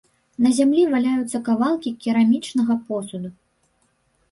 На зямлі валяюцца кавалкі керамічнага посуду.